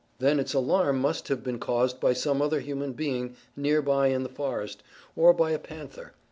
Then its alarm must have been caused by some other human being near by in the forest or by a panther.